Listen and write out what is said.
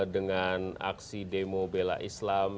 dengan aksi demo bela islam